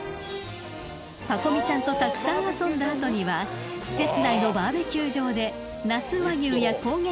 ［パコ美ちゃんとたくさん遊んだ後には施設内のバーベキュー場で那須和牛や高原野菜を堪能］